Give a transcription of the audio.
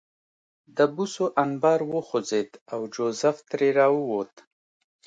د بوسو انبار وخوځېد او جوزف ترې راووت